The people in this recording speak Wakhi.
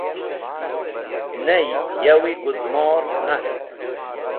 Ney yawi gũzmor nast.